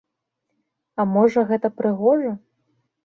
А можа, гэта прыгожа?